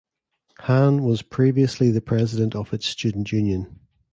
Han was previously the president of its student union.